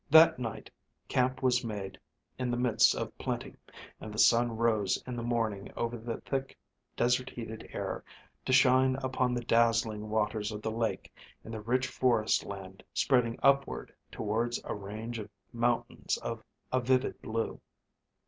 That night camp was made in the midst of plenty, and the sun rose in the morning over the thick desert heated air to shine upon the dazzling waters of the lake and the rich forest land spreading upward towards a range of mountains of a vivid blue.